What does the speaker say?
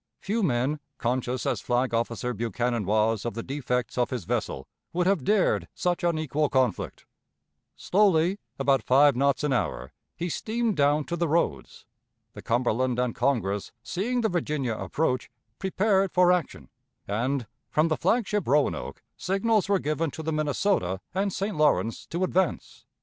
Few men, conscious as Flag officer Buchanan was of the defects of his vessel, would have dared such unequal conflict. Slowly about five knots an hour he steamed down to the roads. The Cumberland and Congress, seeing the Virginia approach, prepared for action, and, from the flag ship Roanoke, signals were given to the Minnesota and St. Lawrence to advance.